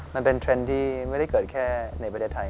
มันเป็นเทรนด์ที่ไม่ได้เกิดแค่ในประเทศไทย